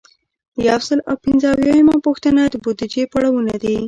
یو سل او پنځه اویایمه پوښتنه د بودیجې پړاوونه دي.